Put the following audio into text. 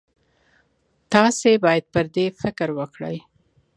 تاسې باید پر دې فکر وکړئ.